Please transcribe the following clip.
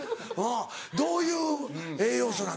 どういう栄養素なんですか？